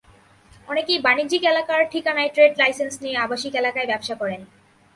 অনেকেই বাণিজ্যিক এলাকার ঠিকানায় ট্রেড লাইসেন্স নিয়ে আবাসিক এলাকায় ব্যবসা করেন।